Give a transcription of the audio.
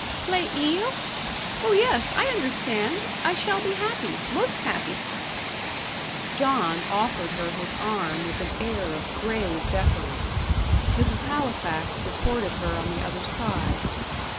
"Plait il? oh yes; I understand. I shall be happy most happy." John offered her his arm with an air of grave deference; Mrs. Halifax supported her on the other side.